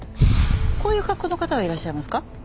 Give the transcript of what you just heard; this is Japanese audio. こういう格好の方はいらっしゃいますか？